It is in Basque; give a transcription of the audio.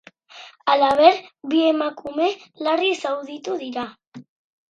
Halaber, bi emakume larri zauritu dira.